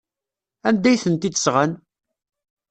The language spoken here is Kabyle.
Anda ay tent-id-sɣan?